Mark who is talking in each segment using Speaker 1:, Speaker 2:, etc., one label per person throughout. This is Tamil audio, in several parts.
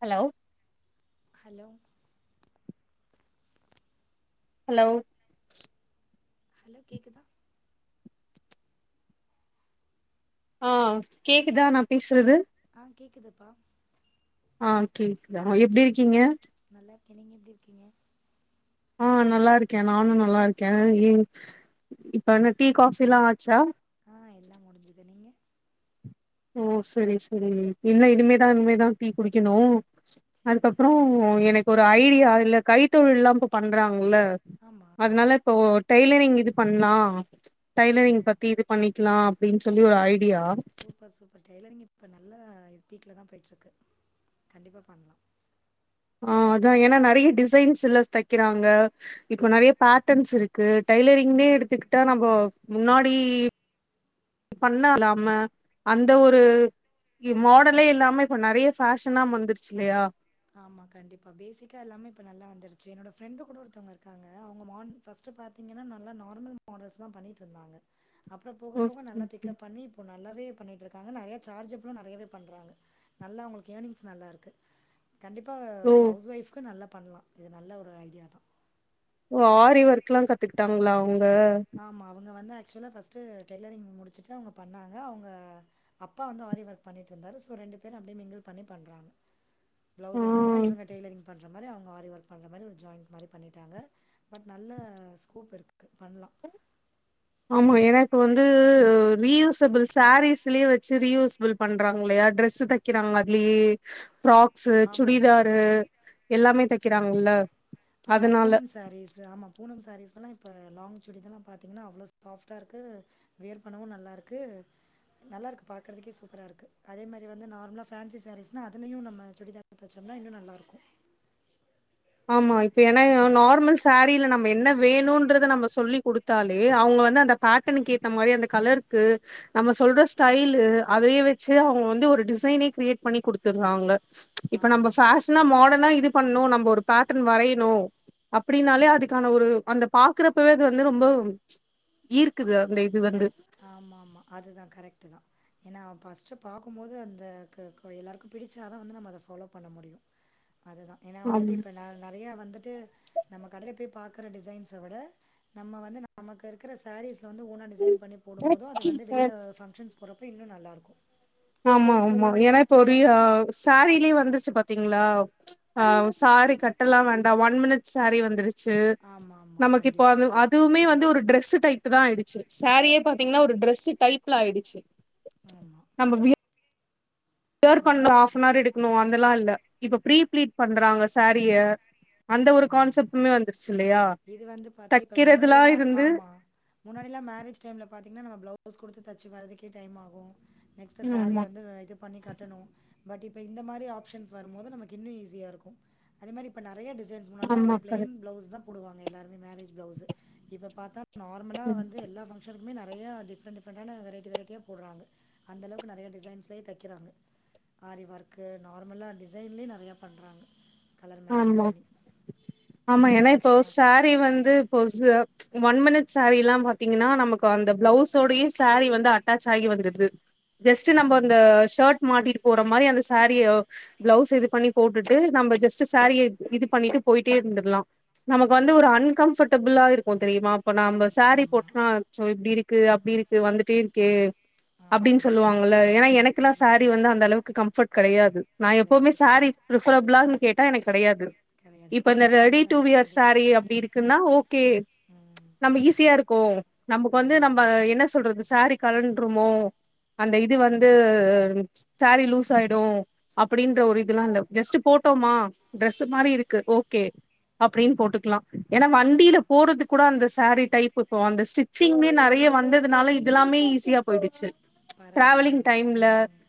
Speaker 1: ஹலோ
Speaker 2: ஹலோ
Speaker 1: ஹலோ
Speaker 2: ஹலோ கேக்குதா
Speaker 1: ஆஹ் கேக்குதா நா பேசுறது
Speaker 2: ஆ கேக்குதுப்பா
Speaker 1: ஆ கேக்குதா ஆ எப்டி இருக்கீங்க
Speaker 2: நல்லா இருக்க நீங்க எப்டி இருக்கீங்க
Speaker 1: ஆ நல்லாருக்கே நானு நல்லாருக்கே [unintelligible] இப்ப என்ன டீ காஃபில்லா ஆச்சா
Speaker 2: ஆ எல்லா முடிஞ்சுது நீங்க
Speaker 1: ஓ சரி சரி இல்ல இனிமேதா இனிமேதா டீ குடிக்கணு
Speaker 2: செரி
Speaker 1: அதுக்கப்பறொ
Speaker 2: செரி
Speaker 1: எனக் ஒரு ஐடியா இல்ல கைத்தொழில்ல்லாம் இப்ப பண்றாங்க ங்குல
Speaker 2: ஆமா
Speaker 1: அதனால இப்போ டெய்லரிங் இது பண்லா ஆ ச்ச
Speaker 2: ஓ
Speaker 1: டெய்லரிங் பத்தி இது பண்ணி கிலா அப்டின் சொல்லி ஒரு ஐ டியா
Speaker 2: இப்ப டெய்லரிங் இப்ப நல்லா பீக்லதா போய்ட்டிருக்கு கண்டிப்பாக பண்லா
Speaker 1: ஆஹ அதா ஏன்னா நெறைய டிசைன்ஸ்யில தைக்கிறாங்க இப்போ நெறைய பேட்டன்ஸ் இருக்கு டைலரிங்யிலேயே எடுத்துக்கிட்டா நம்ப முன்னாடி பண்ண இல்லாம அந்த ஒரு இ மாடலே இல்லாம இப்ப நெறைய ஃபேஷனா வந்துருச்சில்லையா
Speaker 2: ஆமா கண்டிப்பா பேசிக்கா எல்லாமே இப்ப நல்லா வந்துருச்சு என்னோட ஃப்ரெண்டு கூட ஒருத்தவங்க இருக்காங்க அவங்கமான் ஃபஸ்ட்டு பாத்தீங்கன்னா நல்லா நார்மல் மாடல்ஸ் தா பண்ணிட்டிருந்தாங்க அப்ரோ போக போக
Speaker 1: ஓகே.
Speaker 2: நல்லா பிக்கப் பண்ணி இப்போ நல்லாவே பண்ணிட்டிருக்கா தாங்க நெறயா சார்ஜ்ஜபலு நெறயவே பண்றாங்க நல்லா அவங்களுக்கு ஏர்னிங்ஸ் நல்லா இருக்கு கண்டிப்பா
Speaker 1: ஓ
Speaker 2: ஹவுஸ் ஒய்ஃப்க்கு நல்ல பண்லா இது நல்ல ஒரு ஐடியா தா
Speaker 1: ஓ ஆரி ஒர்க்கெல்லா கத்துக்கிட்டாங்களா அவங்க
Speaker 2: ஆமா அவுங்க வந்து ஆக்சுலா ஃபஸ்ட்டு டெய்லரிங் முடிச்சுட்டு அவுங்க பண்ணாங்க அவூங்க அப்பா வந்து ஆரி ஒர்க் பண்ணிட்டிருந்தாரு சோ ரெண்டு பேரு அப்படியே மிங்கிள் பண்ணி பண்றாங்க
Speaker 1: ஆ
Speaker 2: பிளௌஸ் வந்ததுனா இவங்க டெய்லரிங் பண்றா பண்ற மாரி அவுங்க ஆரி ஒர்க் பண்ற மாரி ஒரு ஜாய்ன்ட் மாரி பண்ணிட்டாங்க பட் நல்ல ஸ்கோப் இருக்கு பண்லா
Speaker 1: ஆமா எனக்கு வந்து ரீயூசபெல் சாரீஸ்லயே வெச்சு ரீயூசபெல் பண்றாங்கில்லயா டிரஸ்ஸு தைக்கிறாங்க அதுலயே ஃப்ராக்
Speaker 2: ஆமாமா ஆமா
Speaker 1: தைக்கிறாங்கல்ல
Speaker 2: ஆமா
Speaker 1: அதனால
Speaker 2: பூனம் சாரீஸ்ஸு ஆமா பூனம் சாரீஸ் எல்லா இப் ப லாங் சுடி இதெல்லா பாத்திங்கன்னா அவ்ளோ சாஃப்டாக இருக்கு வேர் பண்ணவு நல்லா இருக்கு நல்லாருக்கு பார்க்குறதுக்கே சூப்பரா இருக்கு அதே மாரி வந்து நார்மலா ஃபேன்சி சாரீஸ்னா அதுலயு நம்ம சுடிதார் குடுத்து தெச்சோம்னா இன்னு நல்லா இருக்கு
Speaker 1: ஆமா இப்ப ஏன்னா நார்மல் சாரீல நம்ம என்ன வேணுன்றத நம்ம சொல்லி்குடுத்தாலே அவுங்க வந்து அந்த பேட்டனுக்கு ஏத்த மாரி அந்த கலருக்கு நம்ம சொல்ற ஸ்டைலு அதைய வெச்சு அவுங்க வந்து ஒரு டிசைனே கிரியேட் பண்ணி குடுத்துர்றாங்க ஸ் ப்ச் இப்ப நம்ம
Speaker 2: ஆமா.
Speaker 1: ஃபேஷனா மாடனா இது பண்ணு நம்ப ஒரு பேட்டர்ன் வரையணு அப்டின்னாலே அதுக்கான ஒரு அந்த பாக்குறப்பவே அது வந்து ரொம்ப ச் ஈர்க்குது அந்த இது வந்து
Speaker 2: ஆமாமா. பாக்கும்போது அந்த க கோ எல்லார்க்கு பிடிச்சாதா வந்து நம்ம அத ஃபாலோ பண்ண முடியு அதுதா ஏன்னா வந்துட்டு இப்ப நா நெறயா வந்துட்டு நம்ம கடைல போய் பாக் க்குற டிசைன்ஸ விட நம்ம வந்து நமக்கு இருக்குற சாரீஸ்ல வந்து ஓனா டிசைன் பண்ணி போடும் போது அது வந்து வெளில ஃபங்ஷன்ஸ் போற ப்போ இன்னு நல்லா இருக்கு
Speaker 1: ஆமா ஆமா ஏனா இப்ப ஒரி ஆ சாரீலயே வந்துருச்சு பாத்தீங்களா ப்ச் ஆஹ சாரீ கட்டெல்லா வேண்டா ஒன் மினிட் சாரீ வந்துரு ச்சு
Speaker 2: ஆமாமா.
Speaker 1: நமக்கு இப்ப
Speaker 2: கண்டிப்பா.
Speaker 1: அது அதுவுமே வந்து ஒரு டிரெஸ்ஸு டைப்புதா ஆயிடுச்சு சாரீயே பாத் தீங்ன்னா ஒரு டிரெஸ்ஸு டைப்ல ஆயிடுச்சு
Speaker 2: ஆமா
Speaker 1: நம்ம வீட் வியர்
Speaker 2: ஆமா,
Speaker 1: பண்ண ஹாஃப்னார் எடுக்கணு அந் அதெல்லா இல்ல இப்ப பிரீ பிளீட்
Speaker 2: ஆமா,
Speaker 1: பண்றாங்க சேரிய அந்த ஒரு
Speaker 2: ஆமா.
Speaker 1: கான்செப்ட்பிட்டுமே வந்துருச்சு இல்லயா
Speaker 2: இது வந்து பாத்தா இப்ப
Speaker 1: தெக்கரதுல்லா
Speaker 2: முன்னாடியெல்லா
Speaker 1: இருந்து
Speaker 2: ஆமா முன்னாடியெல்லா மேரேஜ் டைம்ல பாத்தீங்கன்னா நம்ம பிளவுஸ் குடுத்து தெச்சு வர்ரதுக்கே டைம் ஆகு நெக்ஸ்ட் சாரீ
Speaker 1: ஆமா
Speaker 2: வந்து இது பண்ணி கட்டணு பட் இப்ப இந்த மாரி ஆப்ஷன்ஸ் வரும்போது நமக்கு இன்னூ ஈசி உறுதியாருக்கு அதே மாரி இப்ப நெறயா டிைன்ஸ் முன்ன எல்லா
Speaker 1: ஆமா
Speaker 2: ஒரு பிளைன் பிளவுஸ்தா போடுவாங்க எல்லாரு மேரேஜ் பிளவுஸ் இப்ப பாத்தா நார்மலா
Speaker 1: கரெக்ட்
Speaker 2: வந்து எல்லா பங்க்ஷன் ம்மே நெறயா டிஃப்ரெண்ட் டிஃரெண்டான வெரைட்டி வெரைட்டியாக போடுறாங்க அந்தளவுக்கு நெறய டிசைன்ஸ்லயே தைக்கிறாங்க ஆரி ஒர்க்கு நார்மல டிசைன்லேயும் நெறையா பண்றாங்க கலர் மேட்சிங்
Speaker 1: ஆமா
Speaker 2: பண்ணி
Speaker 1: ஆமா
Speaker 2: நல்லா
Speaker 1: ஏன்னா இப்போ
Speaker 2: அட்ராக்ஷனா இருக்கு
Speaker 1: சாரி வந்துப்போச ஒன் மின்ட் சேரீ எல்லா பாத்தீங்கன்னா நமக்கு அந்த பிளவுஸ்சோ டையே சாரீ வந்து அட்டாச் ஆகி வந்துருது ஜஸ்ட்
Speaker 2: ஆமா
Speaker 1: நம்பஅந்த ஷர்ட் மாட்டிட்டு போற மாரி அந்த சேறியோ பிளவுஸ் இது பண்ணி போட்டுட்டு நம்ம ஜஸ்ட் சாரிய இது பண்ணிட்டு போயிட்டே இருந்துலா நமக்கு
Speaker 2: ஆமா
Speaker 1: வந்து ஒரு அன்கம்ஃபர்டபிளா இருக்கு தெரியுமா அப்ப நம்ப
Speaker 2: ஆமா
Speaker 1: சேரி
Speaker 2: ஆமா
Speaker 1: போட்டு நா சோ இப்டி இருக்கு இருக்கு அப்டி இருக்கு வந்துட்டே இருக்கே
Speaker 2: ஆமா
Speaker 1: அப்டின்னு
Speaker 2: ஆமா
Speaker 1: சொல்லுவாங்கல்ல ஏன்னா எனக்குலா
Speaker 2: அதான்
Speaker 1: சாரீ
Speaker 2: அதான்
Speaker 1: வந்து அந்த அளவுக்கு கம்ஃபர்ட் கிடையாது நான் எப்பவுமே
Speaker 2: கிடையாது
Speaker 1: சாரி
Speaker 2: கரெக்ட்
Speaker 1: பிஃபரபேளானு த எனக்கு கிடையாது
Speaker 2: கிடையாது
Speaker 1: இப்ப இந்த
Speaker 2: எனக்கும் அதே
Speaker 1: ரெடி டூ
Speaker 2: தான் எனக்கும்
Speaker 1: வியர்
Speaker 2: அதே தான்
Speaker 1: சாரி அப்படி இருக்குன்னா ஓகே
Speaker 2: ம்
Speaker 1: நம்ம ஈஸியா இருக்கொ நம்க்கு வந்து
Speaker 2: ஆமா
Speaker 1: நம்ம
Speaker 2: ஆமா
Speaker 1: என்ன சொல்றது சாரி களண்டுருமோ அந்த இது வந்து சாரீ லூஸ் ஆயிடு அப்டின்ற ஒரு இதுெல்லா ஜஸ்ட்டு போட்டோமா ட்ரெஸ் மாதிரி இருக்கு ஓகே அப்டினு போட்டுக்கலா ஏன்னா
Speaker 2: ஆ
Speaker 1: வண்டியில போறது கூட அந்த ஸாரீ டைப் ப்போ அந்த ஸ்டிச்சிங்மே நெறய வந்ததுனால இதலாமே ஈஸியாக போயிடுச்சு டிராவலிங்
Speaker 2: பரவாயில்லையே
Speaker 1: டைம்ல
Speaker 2: ம்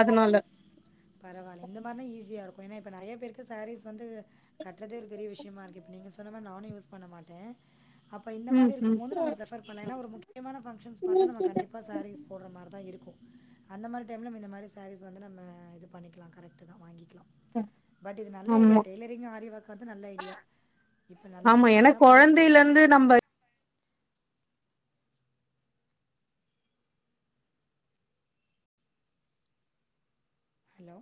Speaker 1: அதுனால
Speaker 2: பரவாயில்ல இந்த மாதிரினா ஈஸியாக இப்ப நெறய பேருக்கு சாரீஸ் வந்து கற்றதே ஒரு பெரிய விஷ் பயமா இருக்கு இப்ப நீங்க சொன்ன மாரி நானு யூஸ் பண்ண மாட்டே அப்போ இந்த
Speaker 1: ம்
Speaker 2: மாதிரி
Speaker 1: ம்
Speaker 2: இருக்கும்போ நம்ம பிரேப்பர் பண்ணாஏன்னா முக்கியமான ஃபங்க்ஷன் பார்த்த நம்ம கண்டிப்பாக சாரீஸ் போடுற மாதிரிதா இருக்கும அந்த மாரி டைம்ல இந்த மாரி சாரீஸ் வந்து நம்ம இது பண்ணிக்கலா கரக்ட் தா வாங்கிக்கலா பட் இது நல்ல ஐடியா
Speaker 1: ஆமா
Speaker 2: டெய்லரிங்கும் ஆரிஒர்க் நல்ல ஐடியா இப்ப நல்ல
Speaker 1: ஆமா
Speaker 2: பீக்ல
Speaker 1: ஏன்னா
Speaker 2: தான் போயிட்டு இருக்கு
Speaker 1: கொழந்தையில இருந்து நம்ம
Speaker 2: ஹலோ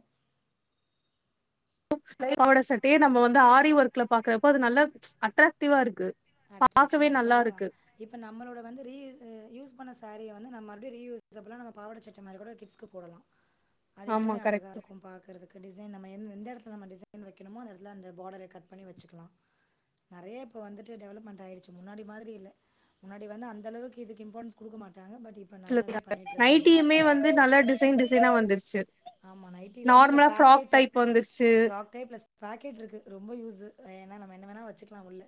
Speaker 1: [inaudible] பாவாட சட்டையே நம்ம வந்து ஆரி ஒர்க்ல பாக்குறப்ப அது நல்ல ச் அட்ராக்டிவா இருக்கு பாக்கவே
Speaker 2: அட்ராக்ஷனா இருக்கு
Speaker 1: நல்லா
Speaker 2: அதா இப்ப நம்மளோட வந்து ரீயூ அஹ் யூஸ் பண்ண சாரீயா வந்நு நம் மறுபடிய ரீயூஸ்பலா நம்ம பாவட சட்ட மாரி கூட கிட்ஸ்க்கு போடலா அது
Speaker 1: ஆமா
Speaker 2: இன்னுமே அழகா
Speaker 1: கரெக்ட்
Speaker 2: இருக்கும் பாக்குறதுக்கு டிசைன் நம்ம என்னு எந்த இடத்துல நம்ம டிசைன் வெக்கணுமோ அந்த இடத்துல அந்த பார்டர கட் பண்ணி வச்சுக்கலாம் நெறைய இப்போ வந்துட் கே டெவலப்மெண்ட் ஆயிடுச்சு முன்னாடி மாதிரி இல்ல முன்னாடி வந்து அந்த அளவுக்கு இதுக்கு இம்பார்ட்ன்ஸ் குடுக்குமாட்
Speaker 1: சிலர் [inaudible] நைட்டியுமே வந்து நல்லா டிசைன் டிசைனா வந்துருச்சு
Speaker 2: ஆமா நைட்டிஸுமே இப்ப
Speaker 1: நார்மலா ஃப்ராக்
Speaker 2: பாக்கெட்டு
Speaker 1: டைப் வந்துருச்சு
Speaker 2: ஃப்ராக் டைப் ப்ளஸ் பாக்கெட் இருக்கு ரொம்ப உஜு ஆ ஏன்னா நாம என்ன வேணா வெச்சுக்கலா உள்ள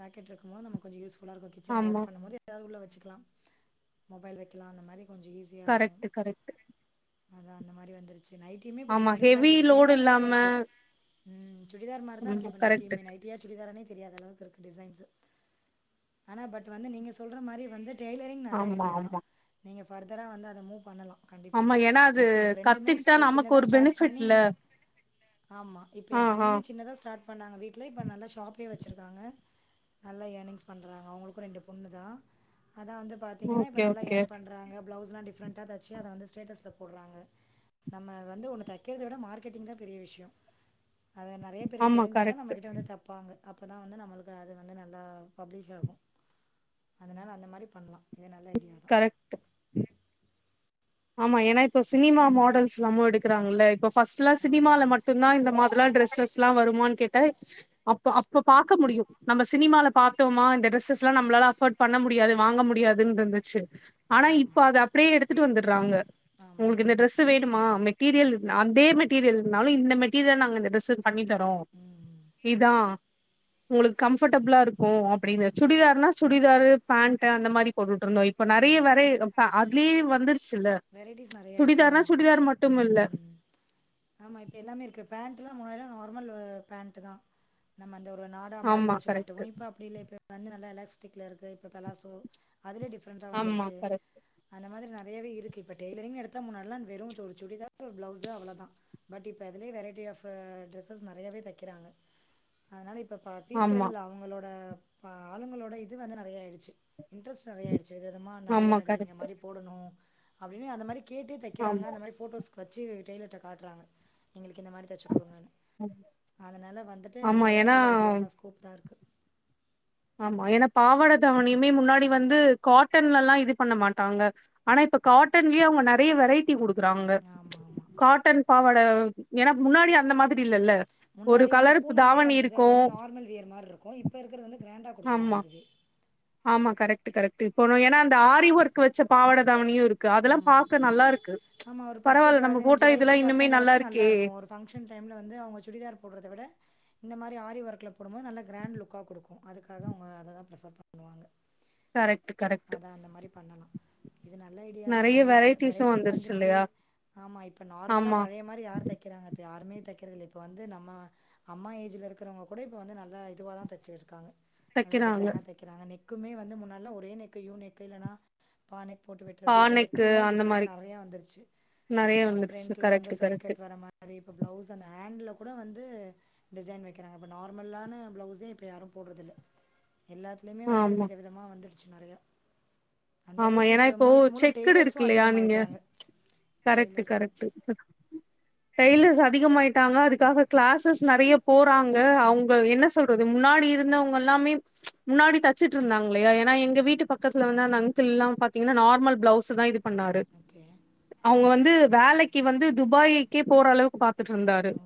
Speaker 2: பாக்கெட்ல இருக்கும்போது நம்ம கொஞ்சோ யூஸ் நல்லாருக்கும் கிச்சன்ல
Speaker 1: ஆமா
Speaker 2: ஒர்க் பண்ணும்போது ஏதாவது உள்ள வ ச்சுக்கலாம் மொபைல் வக்கலா அந்த மாரி
Speaker 1: கரெக்ட்டு கரெக்ட்டு
Speaker 2: அதான் அந்த மாரி வந்துரு சே நைட்டியுமே இப்ப டிஃப்ரண்ட் டிஃப்ரண்டா
Speaker 1: ஹெவி
Speaker 2: இருக்கு இந்த
Speaker 1: லோடு
Speaker 2: சுடிதார் மாரி
Speaker 1: இல்லாம
Speaker 2: இருக்கு ம் சுடிதார் மாரிதா
Speaker 1: ம்
Speaker 2: இருக்கு இப்ப
Speaker 1: கரெக்ட்
Speaker 2: நைட்டியுமே நைட்டியா சுடிதாரானே தெரியாதளவு இருக்கு டிசைன்ஸு ஆனா பட் வந்து நீங்க சொல்ற மாரி வந்து டெய்லரிங் நல்ல
Speaker 1: ஆமா
Speaker 2: ஐடியா தா
Speaker 1: ஆமா
Speaker 2: நீங்க ஃபர்தரா வந்து அத மூ பண்ணலா
Speaker 1: ஆமா ஏன்னா அது
Speaker 2: எ எ ஃப்ரெண்டுமே
Speaker 1: கத்துக்கிட்டா நமக்கு
Speaker 2: சின்னதா
Speaker 1: ஒரு
Speaker 2: ஸ்டார்ட் பண்ணி
Speaker 1: பெனிஃபிட்ல
Speaker 2: ஆமா இப்ப
Speaker 1: ஆ
Speaker 2: என்
Speaker 1: ஆ
Speaker 2: ஃப்ரெண்டுமே சின்னதா ஸ்டார்ட் பண்ணாங்க வீட்ல இப்ப நல்லா ஷாப்பே வச்சுருக்காங்க நல்லா இயர்னிங்ஸ் பண்றாங்க அவங்களுக்கும் ரெண்டு பொண்ணு தா அதா வந்து பாத்திங்கன்னா இப்ப
Speaker 1: ஓகே
Speaker 2: நல்லா
Speaker 1: ஓகே
Speaker 2: எர்ன் பண்றாங்க ப்ளவுஸ்ல்லா டிஃப்ரண்டா தச்சி அத வந்து ஸ்டேட்டஸ்ல போட்றாங்க நம்ம வந்து ஒன்னு தக்கிறத விட மார்க்கெட்டிங் தா பெரிய விஷயம் அத நெறைய பேருக்கு
Speaker 1: ஆமா
Speaker 2: தெரிஞ்சாதா நம்ம
Speaker 1: கரெக்ட்
Speaker 2: கிட்ட வந்து தப்பாங்க அப்ப தான் வந்து நம்மளுக்கு அது வந்து நல்லா பப்ளிஷ் ஆகும் அதனால அந்த மாரி பண்லா
Speaker 1: உம் கரெக்ட்டு ஆமா ஏன்னா இப்ப சினிமா மாடல்ஸ் எல்லாமு எடுக்குறாங்கல்ல இப்போ ஃபர்ஸ்ட்ல்லா
Speaker 2: ஆமா,
Speaker 1: சினிமால மட்டுதா இந்த மாதி லா ட்ரெஸ்ஸஸ்ல்லா வருமான்னு கேட்ட அப்ப அப்ப பாக்க முடியு நம்ம சினிமால பாத்தோமா இந்த டிரெஸ்ஸஸ்லா நம்மளால அஃபர்ட் பண்ண முடியாது வாங்க முடியாதுன்றுருந்துச்சு ஆனா இப்ப
Speaker 2: ஆமா,
Speaker 1: அது அப்டியே எடுத்துட்டு வந்து ராங்க
Speaker 2: ஆமா.
Speaker 1: உங்களுக்கு இந்த டிரெஸ்ஸு வேணுமா மெட்டீரியல் இருந்து அதே மெட்டீரியல்னா [unintelligible] இந்த மெட்டரியல் நாங்க இந்த ட்ரஸ்ஸு பண்ணி தரோம்
Speaker 2: ம்,
Speaker 1: இதான் உங்களுக் கம்ஃபர்டபுலா இருக்கு அப்டீனு சுடிதார்னா சுடிதாரு பேண்ட்டு அந்த மாரி போட்டுட்டுருந்தோம் இப்ப நெறைய
Speaker 2: ஆமா.
Speaker 1: வரே அப்பா அதுலே வந்த
Speaker 2: வெரைட்டிஸ் நெறையா இருக்க ஆமா
Speaker 1: மட்டுமில்ல
Speaker 2: ஆமா இப்ப எல்லாமே இருக்கு பெண்ட் ம் முல நார்மல் பேண்டு தா நம்ம அந்த நாடா மாரி
Speaker 1: ஆமா
Speaker 2: வச்சு கட்டுவோ
Speaker 1: கரெக்ட்
Speaker 2: இப்ப அப்டி இ இ வந்து நல்ல எல்ல க்ல இருக்கு இப்ப தலாசோ அதுலே டிஃப்ரெண்ட்டா
Speaker 1: ஆமா
Speaker 2: வந்துருச்சு
Speaker 1: கரெக்ட்
Speaker 2: அந்த மாதிரி நா பயவே இருத்து இப்போடெய்லரிங் எடுத்தால் முன்னாலாம் ஒரு சுடிதாரு ஒரு ப்ளவுஸு அவ்வளோ தான். பட் இப்போது வெரைட்டி ஆஃப் ட்ரெஸ் நெறையாவவே தைக்கிறாங்க அதனால இ இப்ப பீப்பிள்
Speaker 1: ஆமா
Speaker 2: அவங்களோட பா ஆளுங்களோட இது வந்து நெறையாயிடுச்சு இன்ட்ரெஸ்ட் நெறைய ஆயிரு ச்சு விதவிதமா
Speaker 1: ஆமா
Speaker 2: நடிகர் நடிகைங்க
Speaker 1: கரெக்ட்
Speaker 2: மாரி போடணு அப்டின்னு அந்த மாரி கேட்டே தக்கிறாங்க
Speaker 1: ஆமா
Speaker 2: அந்த மாரி ஃபோட்டோஸ் வச்சு டெய்லர்ட்ட காட்றாங்க எங்களுக்கு இந்த மாரி தச்சுக் குடுங்கனு
Speaker 1: ஆமா
Speaker 2: அதனால வந்துட்டு
Speaker 1: ஆமா,
Speaker 2: இது வந்து
Speaker 1: ஏன்னா
Speaker 2: நல்ல ஐடியா தா ஸ்கோப் தா இருக்கு
Speaker 1: ஆமா ஏனா பாவட தாவணியுமே முன்னாடி வந்து காட்டன்லலா இது பண்ண மாட்டாங்க ஆனா இப்ப காட்டன்லயே அவ்ங்க நெறைய வெரைட்டி குடுக் குறாங்க
Speaker 2: ஆமாம் ஆமாம்
Speaker 1: காட்டன் பாவட ஏனா முன்னாடி அந்த மாதிரி இல்லல்ல ஒரு
Speaker 2: முன்னாடி வந்து
Speaker 1: கலர்
Speaker 2: பூனம்லே
Speaker 1: தாவணி
Speaker 2: வந்தது
Speaker 1: இருக்கு
Speaker 2: அது வந்து நார்மல் வியர் மார்ருக்கு இப்ப இருக்கிறது வந்து கிராண்ட குடுக்குறாங்க
Speaker 1: ஆமா
Speaker 2: அதுவே
Speaker 1: ஆமா கரெக்ட்டு கரெக்ட்டு இப்போலா ஏனா அந்த ஆரி ஒர்க்கு வச்ச பாவடதாவணியு இருக்கு அதெல்லா
Speaker 2: ஆமா
Speaker 1: பாக்க நல்லா இருக்கு
Speaker 2: ஆமா ஒரு பத்து
Speaker 1: பரவால்ல நம்ம
Speaker 2: பதினஞ்சு
Speaker 1: போட்டா
Speaker 2: வயசு
Speaker 1: இதெல்லா இன்னுமே நல்லா
Speaker 2: பசங்களுக்கு
Speaker 1: இருக்கே
Speaker 2: நல்லாருக்கு ஒரு ஃபங்க்ஷன் டைம்ல வந்து அவ்ங்க சுடிதார் போட்றத விட இந்த மாரி ஆரி ஒர்க்ல போடும்போது நல்லா கிராண்ட் லுக்கா குடுக்கு அதுக்காக அவ்ங்க அததா ப்ரெஃபர் பண்ணுவாங்க
Speaker 1: கரெக்ட்டு கரெக்ட்டு
Speaker 2: அதான் அந்த மாரி பண்ணலாம். இது நல்ல ஐ வந்து இப்ப வெரைட்டிஸ் வந்துருச்சு ஆமா இப்ப நார்மலா
Speaker 1: ஆமா
Speaker 2: பழைய மாரி யார் தெக்கறாங்க யாருமே தெக்கிறதில்ல இப்போ வந்து நம்ம அம்மா ஏஜ்ல இருக்கறவங்க கூட இப்போ வந்து நல்லா இதுவாதா தச்சிருக்காங்க நல்லா
Speaker 1: தைக்கிறாங்க
Speaker 2: டிசைனா தெக்கறாங்க நெ க்குமே வந்து முன்னாலலா ஒரே நெக்கு யூ நெக்கு இல்லனா ப நெக் போட்டுவிட்ருவாங்க இப்ப இன்னைக்
Speaker 1: பானைக்கு
Speaker 2: லயுமே
Speaker 1: அந்த
Speaker 2: டிஃபரெண்ட்
Speaker 1: மாரி
Speaker 2: நறைய வந்துருச்சு
Speaker 1: நெறைய வந்துருச்சு
Speaker 2: ஃப்ரண்ட்ல வந்து
Speaker 1: கரெக்ட்
Speaker 2: சைடு
Speaker 1: கரெக்ட்
Speaker 2: கட் வர்ற மாரி இப்ப ப்ளவ்ஸ் அந் ஹேண்ட்ல கூட வந்து டிசைன் வைக்கிறாங்க இப்போ நார்மலான ப்ளவுஸே இப்போ யாரு போடறதில்ல எல்லாத்துலயுமே வந்து
Speaker 1: ஆமா
Speaker 2: வித விதமா வந்துடுச்சு நறையா
Speaker 1: ஆமா ஏனா இப்போ செக் குடு இருக்குல்லயா நீங்க
Speaker 2: அதிகமாயிட்டாங்க
Speaker 1: கரெக்ட்டு
Speaker 2: டெய்லர்ஸும்
Speaker 1: கரெக்ட்டு தை டெய்லர்ஸ் அதிகமாயிட்டாங்க அதுக்காக க்ளாசஸ் நெறைய போறாங்க அவுங்க என்ன சொல்றது து முன்னாடி இருந்தவுங்கல்லாமே ப்ச் முன்னாடி தச்சுட்ருந்தாங்லையா ஏன்னா எங்க வீட்டு பக்கத்துல வந்து அந்த அங் கிள்ல்லா பாத்தீங்கனா நார்மல் ப்ளவுஸு தா இது பண்ணாரு
Speaker 2: ஓகே
Speaker 1: அவுங்க வந் து வேலைக்கி வந்து துபாய்க்கே போற அளவுக்கு பாத்துட்ருந்தாரு
Speaker 2: ஓ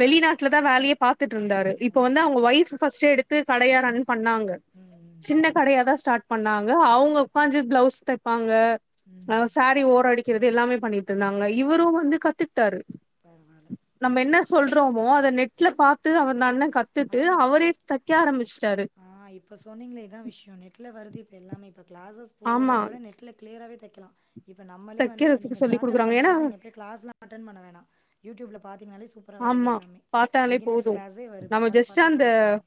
Speaker 1: வெளிநாட்ல தா வேலையே பாத் த்துட்ருந்தாரு இப்ப
Speaker 2: ஓ
Speaker 1: வந்து அவுங்க
Speaker 2: சூப்பர்
Speaker 1: வைஃப் ஃபஸ்ட்டு எடுத்து கடைய ரன் பண்ணாங்க
Speaker 2: ம் ம்
Speaker 1: சின்ன கடையா தா ஸ்டார்ட் பண்ணாங்க அவுங்க கொஞ்சோ ப்ளவுஸ் தெப்பாங்க ஆ
Speaker 2: ம்
Speaker 1: சாரி ஒரோ அடி கிறது எல்லாமே பண்ணிட்ருந்தாங்க இவரு வந்து கத்துட் டாரு
Speaker 2: பரவாயில்ல
Speaker 1: நம்ம என்ன சொல்றோமோ அத நெட்ல பாத்து அவர அந்த நல்ல கத்துட்டு
Speaker 2: ஆ
Speaker 1: அவரே தச் [unintelligible] ஆரம்பிச்ட்டாரு
Speaker 2: ஆ இப்ப சொன்னீங்களே இதா விஷ்யோ நெட்ல வருது இப் எல்லாமே இப்ப க்ளாஸஸ்
Speaker 1: ஆமா
Speaker 2: போயிறத விட நெட்ல க்ளியராவே தக் க்கெலா இப்ப நம்மளே வந்து இப்ப நீங்க
Speaker 1: தைக்கிறதுக்கு சொல்லி
Speaker 2: ஸ்டார்ட்டப்
Speaker 1: குடுக்குறாங்க ஏன்னா
Speaker 2: பண்றதாந்தா நீங்க போய் க்ளாஸ்லா அட்டண் பண்ண வேணா யூடியூப்ல தினாலே சூப்பரா வருது
Speaker 1: ஆமா
Speaker 2: எல்லாமே
Speaker 1: பாத்தாலே
Speaker 2: பிகினர்ஸ்
Speaker 1: போது
Speaker 2: க்ளாஸே வருது
Speaker 1: நம்ம
Speaker 2: அத
Speaker 1: ஜஸ்ட்
Speaker 2: பாத்தே
Speaker 1: அந்த
Speaker 2: ஃபாலோ பண்லா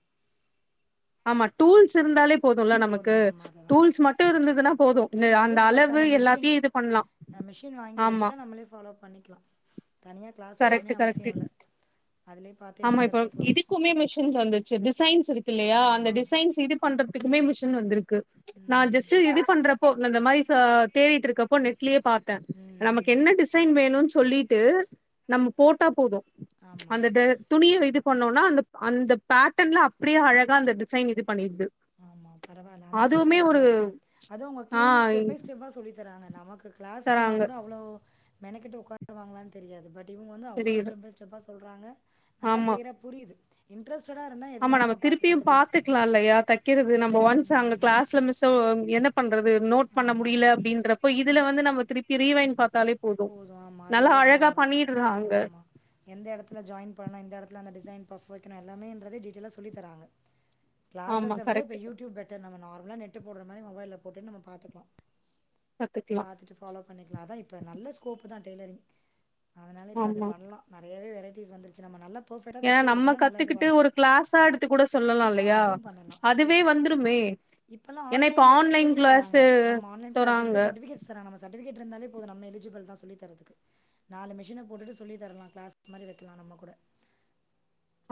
Speaker 1: ஆமா டூல்ஸ் இருந்தாலே போதுல்ல
Speaker 2: போது
Speaker 1: நமக்கு
Speaker 2: ஆமா அததா
Speaker 1: டூல்ஸ் மட்டு இருந்ததுன்னா போது இந்த
Speaker 2: டூல்ஸு ப்ளஸ்
Speaker 1: அளவு
Speaker 2: அந்த மெஷின்
Speaker 1: எல்லாத்தையு இது பண்லா
Speaker 2: ஆ மெஷின் வாங்கி
Speaker 1: ஆமா
Speaker 2: வச்சுட்டா நம்மளே ஃபாலோ பண்ணிக்கலா தனியா க்ளாஸ் போணுன்னே அவசிய
Speaker 1: டு ஆமா இப்ப
Speaker 2: கத்துக்கலாம்.
Speaker 1: இதுக்குமே மிஷின்ஸ் வந்துச்சு டிசைன்ஸ் இருக்குல்லையா அந்த
Speaker 2: ஆமா.
Speaker 1: டிசைன்ஸ் இது பண்ற இதுக்குமே மிஷின் வந்துருக் கு நா
Speaker 2: ம்.
Speaker 1: ஜெஸ்ட்டு இது பண்றப் போ இந்த மாரி ஸ தேடிட்ருக்கப்போ நெட் ட்லயே பாத்தே
Speaker 2: ம்
Speaker 1: நமக்கு
Speaker 2: ம்.
Speaker 1: என்ன டிசைன் வேணுன் சொல்லி [unintelligible] நம்ம போட்டா போது அந்த
Speaker 2: ஆமா.
Speaker 1: த துணிய இது பண்ணோன்னா அந்த அந்த பேட்டன்ல அப்டியே அழகா அந்த டிசைன் இது பண்ணிடுது
Speaker 2: ஆமா பரவாயில்ல அந்த மாரி
Speaker 1: அதுவுமே
Speaker 2: வேற
Speaker 1: ஒரு
Speaker 2: எதாது தா அதும் அவங்க
Speaker 1: ஆ
Speaker 2: கிளீனா ஸ்டெப் பை ஸ்டெப் சொல்லித் தராங்க நமக் க்ளாஸ் போனா
Speaker 1: தராங்க
Speaker 2: கூட அவ்ளோ மெனக்கட்ட உட்காரவாங்களான்னு தெரியாது பட் இவங்க வந்து அவ்ளோ
Speaker 1: தெரியுது
Speaker 2: ஸ்டெப் பை ஸ்டெப்பா சொல்றாங்க நல்லா
Speaker 1: ஆமா
Speaker 2: கிளியரா புரியிது இன்ரெஸ்ட்
Speaker 1: ஆமா நம்ம திருப்பியு பாத்துக்கலா இல்லையா தெ கிறது நம்ப ஒன்ஸ் அங்க
Speaker 2: ம்.
Speaker 1: கிளாஸ்ல மிஸ் சோ என்ன பண் றது நோட் பண்ண
Speaker 2: ஆமா.
Speaker 1: முடியில அப்படின்றப்போ இதுல வந்து நம் ம்ம திரிப்பி ரிவைன் பண்
Speaker 2: போது ஆமா அது ரிலெட்டடா வரு
Speaker 1: பண்ணிடுறாங்க
Speaker 2: ஆமா எந்த எடத்துல ஜாயின் பண்ணு இந்த இடத்துல அந்த டிசைன் பஃப் வெக்கணு எல்லாமேன்றது டீடைலா சொல்லி தராங்க
Speaker 1: ஆமா
Speaker 2: கிளஸ்ஸ விட
Speaker 1: கரெக்ட்
Speaker 2: இப்ப யூடியூப் பெட்டர் நம்ம ந நம்மள நெட்டு போடுற மாரி மொபைல போட்டுட் நம்ம பாத்துக்கலா
Speaker 1: கத்துக்கலா
Speaker 2: பாத்துட்டு ஃபாலோ பண்ணிக்கலா அதா இப் நல்ல ஸ்கோப்பு தா டெய்லரிங் அதனால இப்ப அது
Speaker 1: ஆமா
Speaker 2: பண்ணலா நெறையவே வே வெரைட்டீஸ் வந்துருச்சு நம்ம நல்லா பெர்ஃபெக்ட்டா
Speaker 1: ஏ
Speaker 2: தச்சு
Speaker 1: நம்ம
Speaker 2: குடுத்தோனா நல்லா
Speaker 1: கத்துக்கிட்டு
Speaker 2: இதுவாகும்
Speaker 1: ஒரு கிளாஸா எடுத்து கூட சொல்லலா
Speaker 2: ஆ
Speaker 1: இல்லையா
Speaker 2: அதுவும் பண்ணலாம்
Speaker 1: அதுவே
Speaker 2: இப்
Speaker 1: வந்துருமே
Speaker 2: இப்பல்லாம்
Speaker 1: ஏன்னா இப்ப
Speaker 2: ஆன்லைன்ல கூட
Speaker 1: ஆன்லைன்
Speaker 2: சொல்லி தராங்க
Speaker 1: கிளாஸ்ஸு தறாங்க
Speaker 2: இருந்தால போது நம்ம எலி அஞ்சு பேர் தா சொல்லிதரதுக்கு நாலு மிஷின போட்டுட்டு சொல்லி தரலா கிளாஸ் மாரி வெக்கலா நம்ம கூட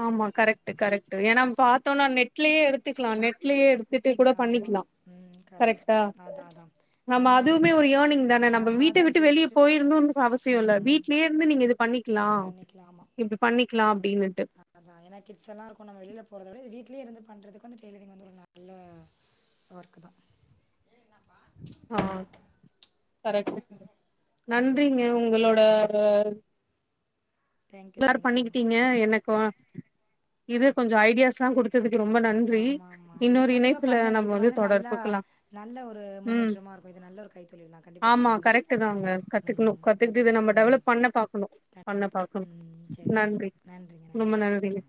Speaker 1: ஆமா கரெட்டு கரெட்டு ஏன்னா பாத்தோனா நெட்லயே எடுத்துக்கலா நெட்லயே எ எடுத்துட்டே கூட
Speaker 2: ஆமா
Speaker 1: பண்ணிக்லா
Speaker 2: ம் கரெக்ட்
Speaker 1: கரெட்டா
Speaker 2: அதான் அதான்
Speaker 1: நம்ம
Speaker 2: வந்
Speaker 1: அதுவுமே ஒரு யேர்னிங் தான நம்ம வீட்ட
Speaker 2: அதான்
Speaker 1: விட்டு வெளியே
Speaker 2: ஜஸ்ட்டு
Speaker 1: போயிருந்து உக்கு அவசியோ இல்ல
Speaker 2: ம்
Speaker 1: வீட்லயே இருந்து நீங்க இது பண்ணிக்கலா இப்பிடி பண் க்லா அப்டின்னுட்டு
Speaker 2: அதா ஏனா கிட்ஸ் எல்லா இருக்கு நம்ம வெளியில போறத விட வீட் ட்லியேருந்து பண்ணுறதுக்கு வந்து டெய்லரிங் வந்து ஒரு நல்ல ஒர்க்கு தா
Speaker 1: ஆ கரெக்டு
Speaker 2: அதுதான்
Speaker 1: நன்றிங்க உங்களோட
Speaker 2: தேங்க்யூ
Speaker 1: எல்லாரு
Speaker 2: தேங்க்யூ
Speaker 1: பண்ணிக்கிட்டீங்க எனக்கு இது கொஞ்சோ ஐடியாஸ்லா குடு த்ததுக்கு ரொம்ப நன்றி
Speaker 2: ஆமா ஆமா இல்ல
Speaker 1: இன்னொரு
Speaker 2: கண்டிப்பா
Speaker 1: இணைப்புல
Speaker 2: பண்ணுங்க
Speaker 1: நம்ம
Speaker 2: இது
Speaker 1: வந்து
Speaker 2: நல்லா
Speaker 1: தொடர்புக்கலா
Speaker 2: நல்ல ஒரு
Speaker 1: ம்
Speaker 2: முன்னேற்றமா இருக்கும் இது நல்ல ஒரு கைத்தொழில் தான் கண்டிப்பா
Speaker 1: ஆமா
Speaker 2: பண்ணுங்க
Speaker 1: கரெக்டு தாங்க கத்துக்கணு
Speaker 2: ம்
Speaker 1: கத்துக்கிட்டு இத நம்ம
Speaker 2: பண்ணுங்க
Speaker 1: டெவலப் பண்ண பாக்கணு பண்ண
Speaker 2: கண்டிப்பா
Speaker 1: பாக்கணு
Speaker 2: ம் சரிங்க
Speaker 1: நன்றி
Speaker 2: நன்றிங்க
Speaker 1: ரொம்ப
Speaker 2: நன்றி ஆ
Speaker 1: நன்றிங்க